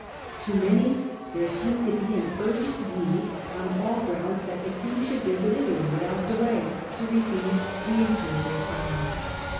To many there seemed to be urgent need, on all grounds, that the king should visit Italy without delay, visit of the to receive the imperial crown.